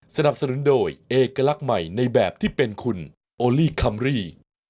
สนับสนุนโดยเอกลักษณ์ใหม่ในแบบที่เป็นคุณโอลี่คัมรี่